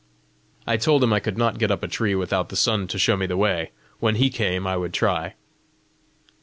I told him I could not get up a tree without the sun to show me the way; when he came, I would try.